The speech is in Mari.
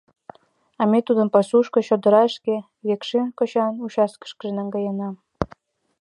— А ме тудым пасушко, чодырашке, Векшин кочан участкышкыже наҥгаена.